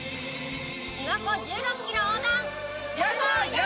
琵琶湖１６ｋｍ横断。